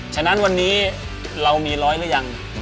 ฉะนั้นวันนี้เรามีร้อยหรือยัง